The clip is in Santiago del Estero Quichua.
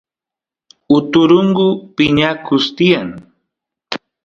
uturungu piñakus tiyan